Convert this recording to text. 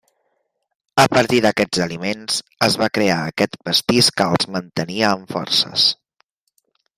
A partir d'aquests aliments es va crear aquest pastís que els mantenia amb forces.